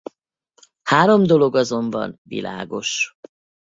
Három dolog azonban világos.